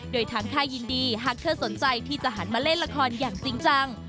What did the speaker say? โดยทั้งท่ายินดีหากเธอสนใจที่จะหันมาเล่นละครอย่างจริงจัง